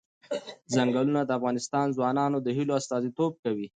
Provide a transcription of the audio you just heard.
چنګلونه د افغان ځوانانو د هیلو استازیتوب کوي.